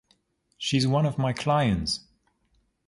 She’s one of my clients.